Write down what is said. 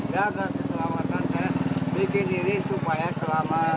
jaga keselamatan saya bikin ini supaya selamat